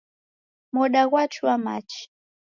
Moda ghwachua machi